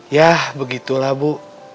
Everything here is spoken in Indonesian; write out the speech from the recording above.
yah begitulah bu